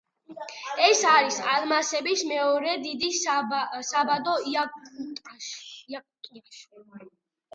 ეს არის ალმასების მეორე დიდი საბადო იაკუტიაში.